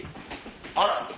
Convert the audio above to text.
あら！